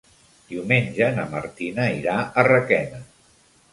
Diumenge na Martina irà a Requena.